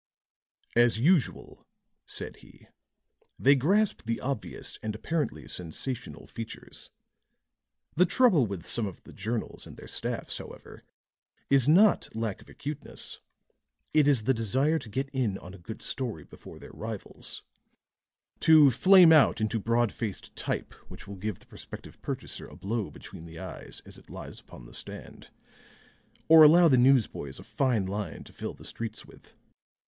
"As usual," said he, "they grasp the obvious and apparently sensational features. The trouble with some of the journals and their staffs, however, is not lack of acuteness; it is the desire to get in on a good story before their rivals to flame out into broad faced type which will give the prospective purchaser a blow between the eyes as it lies upon the stand, or allow the newsboys a fine line to fill the streets with.